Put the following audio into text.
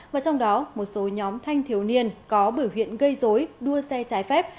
và trong đó một số nhóm thanh thiếu niên có bửa huyện gây dối đua xe trái phép